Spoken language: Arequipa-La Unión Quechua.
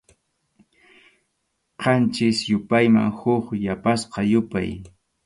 Qanchis yupayman huk yapasqa yupay.